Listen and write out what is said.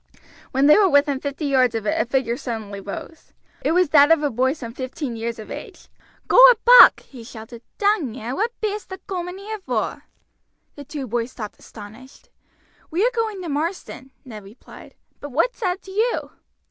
When they were within fifty yards of it a figure suddenly rose. It was that of a boy some fifteen years of age. "Goa back," he shouted; "dang yer, what be'est a cooming here vor?" The two boys stopped astonished. "We are going to Marsden," Ned replied; "but what's that to you?"